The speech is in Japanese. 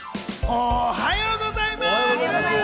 おはようございます！